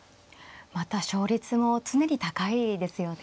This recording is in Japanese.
また勝率も常に高いですよね。